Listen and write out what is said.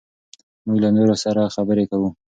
موږ له نورو سره خبرې کوو.